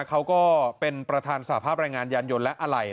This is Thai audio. เขาก็เป็นประธานสภาพรายงานยานยนต์และอะไหล่